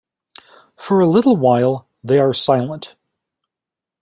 For a little while they are silent.